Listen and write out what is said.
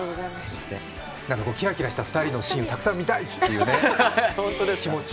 キラキラした２人のシーン、たくさん見たい！という気持ち。